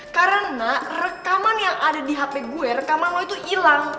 karena rekaman yang ada di hp gue rekaman lo itu ilang